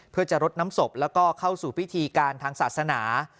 เพื่อจะรดน้ำศพแล้วก็เข้าสู่พิธีการทางศาสนา